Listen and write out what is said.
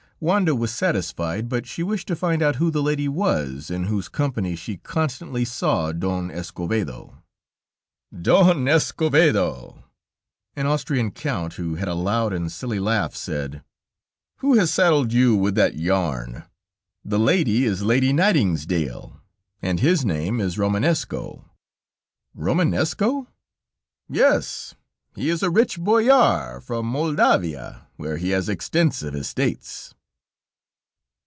Wanda was satisfied, but she wished to find out who the lady was, in whose company she constantly saw Don Escovedo. "Don Escovedo." An Austrian count, who had a loud and silly laugh, said: "Who has saddled you with that yarn? The lady is Lady Nitingsdale, and his name is Romanesco." "Romanesco?" "Yes, he is a rich Boyar from Moldavia, where he has extensive estates."